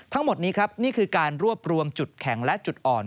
ทั้งหมดนี้ครับนี่คือการรวบรวมจุดแข็งและจุดอ่อน